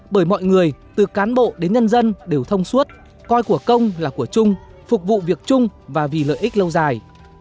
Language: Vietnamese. bởi mọi người từ cán bộ đến nhân dân đều thông suốt coi của công là của chung phục vụ việc chung và vì lợi ích lâu dài